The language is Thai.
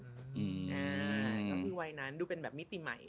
ก็คือวัยนั้นดูเป็นแบบมิติใหม่